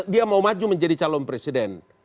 dia mau maju menjadi calon presiden